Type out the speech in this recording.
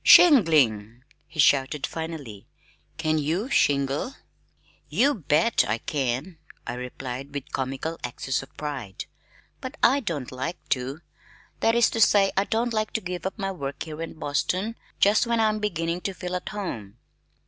"Shingling!" he shouted finally. "Can you shingle?" "You bet I can," I replied with comical access of pride, "but I don't like to. That is to say I don't like to give up my work here in Boston just when I am beginning to feel at home."